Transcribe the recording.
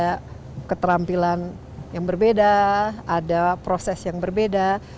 ada keterampilan yang berbeda ada proses yang berbeda